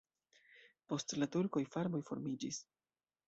Post la turkoj farmoj formiĝis.